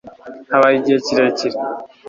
habaye igihe kirekire